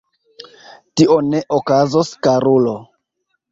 Tio ne okazos, karulo.